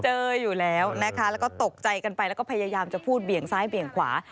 เจออยู่แล้วนะคะแล้วก็ตกใจกันไปแล้วก็พยายามจะพูดเบี่ยงซ้ายเบี่ยงขวา